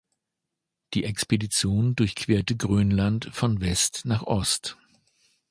Die Expedition durchquerte Grönland von West nach Ost.